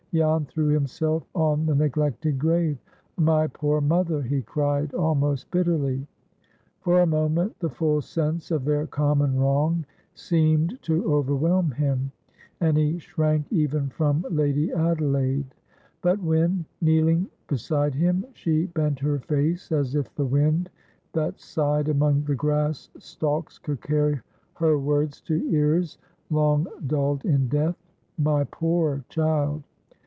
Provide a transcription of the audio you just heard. Jan threw himself on the neglected grave. "My poor mother!" he cried, almost bitterly. For a moment the full sense of their common wrong seemed to overwhelm him, and he shrank even from Lady Adelaide. But when, kneeling beside him, she bent her face as if the wind that sighed among the grass stalks could carry her words to ears long dulled in death,—"My poor child!